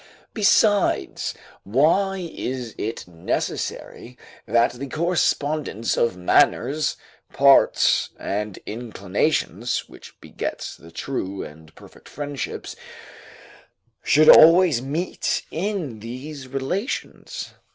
Besides, why is it necessary that the correspondence of manners, parts, and inclinations, which begets the true and perfect friendships, should always meet in these relations?